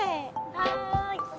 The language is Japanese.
はい。